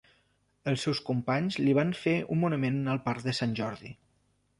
Els seus companys li van fer un monument al parc de Sant Jordi.